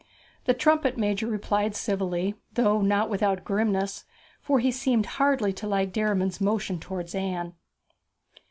The trumpet major replied civilly, though not without grimness, for he seemed hardly to like Derriman's motion towards Anne.